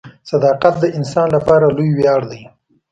• صداقت د انسان لپاره لوی ویاړ دی.